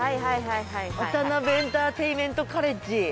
ワタナベエンターテインメントカレッジ。